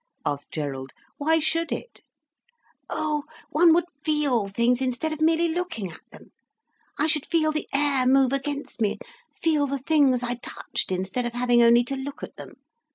asked Gerald. "Why should it?" "Oh—one would feel things instead of merely looking at them. I should feel the air move against me, and feel the things I touched, instead of having only to look at them.